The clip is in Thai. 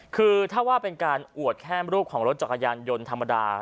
คือถ้าว่าเป็นการอวดแค่รูปของรถจักรยานยนต์ธรรมดา